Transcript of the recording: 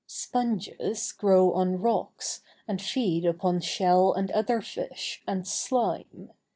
Sponges grow on rocks, and feed upon shell and other fish, and slime.